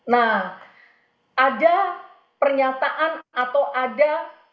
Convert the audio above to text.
nah ada pernyataan atau ada